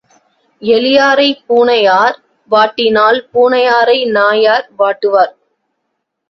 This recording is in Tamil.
எலியாரைப் பூனையார் வாட்டினால் பூனையாரை நாயார் வாட்டுவார்.